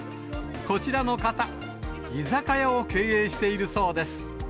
こちらの方、居酒屋を経営しているそうです。